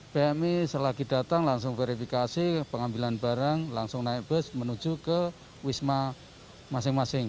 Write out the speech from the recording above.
pmi selagi datang langsung verifikasi pengambilan barang langsung naik bus menuju ke wisma masing masing